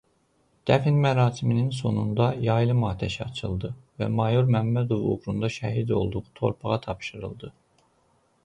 Dəfn mərasiminin sonunda yaylım atəşi açıldı və mayor Məmmədov uğrunda şəhid olduğu torpağa tapşırıldı.